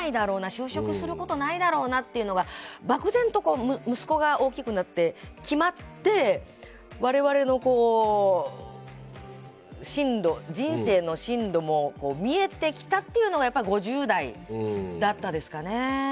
就職することないだろうなっていうのが漠然と息子が大きくなって決まって我々の人生の進路も見えてきたっていうのがやっぱり５０代だったですかね。